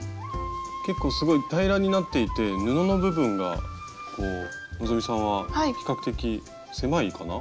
結構すごい平らになっていて布の部分が希さんは比較的狭いかな。